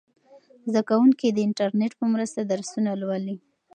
زده کوونکي د انټرنیټ په مرسته درسونه لولي.